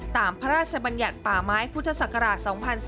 พระราชบัญญัติป่าไม้พุทธศักราช๒๔